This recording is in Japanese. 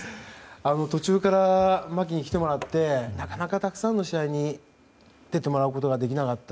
途中からマキに来てもらってなかなかたくさんの試合に出てもらうことができなかった。